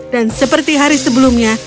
dan seperti hari sebelumnya